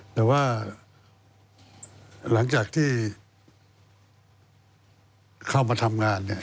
แต่ว่าหลังจากที่เข้ามาทำงานเนี่ย